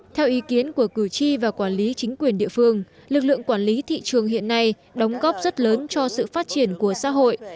theo ý kiến của cử tri và quản lý chính quyền địa phương lực lượng quản lý thị trường hiện nay đóng góp rất lớn cho sự phát triển của xã hội